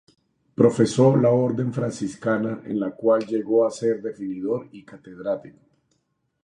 Profesó la Orden Franciscana, en la cual llegó a ser definidor y catedrático.